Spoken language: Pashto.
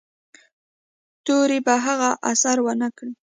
تورې په هغه اثر و نه کړ.